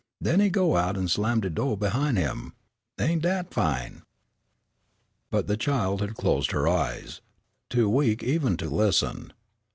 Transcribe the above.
Den he go out an' slam de do' behin' him. Ain' dat fine?" But the child had closed her eyes, too weak even to listen.